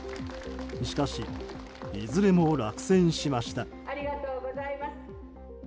しかし、いずれも落選しました。